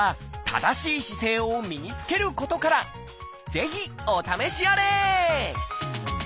ぜひお試しあれ！